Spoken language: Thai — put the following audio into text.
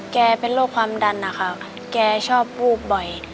เป็นโรคความดันนะคะแกชอบวูบบ่อย